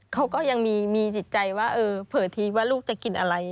เขาก็ยังมีจิตใจว่าเผลอทีว่าลูกจะกินอะไร